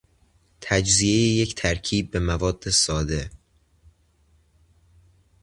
تجزیهی یک ترکیب به مواد ساده